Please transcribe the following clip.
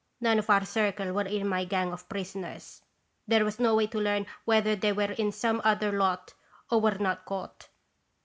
None of our Circle were in my gang of prisoners. There was no way to learn whether they were in some other lot or were not caught.